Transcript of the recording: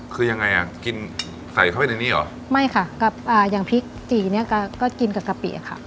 คือยังไงอ่ะกินใส่เข้าไปในนี้เหรอไม่ค่ะกับอ่าอย่างพริกตีเนี้ยก็ก็กินกับกะปิอ่ะค่ะ